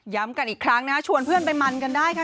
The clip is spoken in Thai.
กันอีกครั้งนะชวนเพื่อนไปมันกันได้ค่ะ